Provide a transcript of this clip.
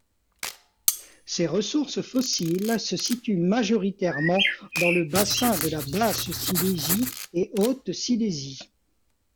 Ces ressources fossiles se situent majoritairement dans le bassin de la Basse-Silésie et Haute-Silésie.